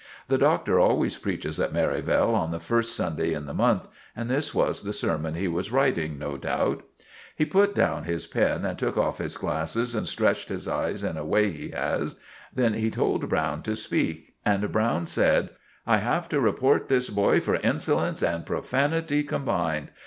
The Doctor always preaches at Merivale on the first Sunday in the month, and this was the sermon he was writing, no doubt. He put down his pen and took off his glasses and stretched his eyes in a way he has; then he told Browne to speak. And Browne said— "I have to report this boy for insolence and profanity combined.